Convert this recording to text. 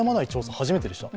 初めてでした。